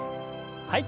はい。